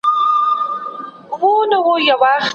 په کور کي د زده کړي پر مهال وخت نه ضایع کېږي.